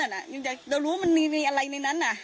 หนูอยากจะรู้ว่ามันมีอะไรในนั้น